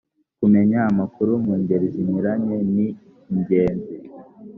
kumenya amakuru mu ngeri zinyuranye ni ingenzi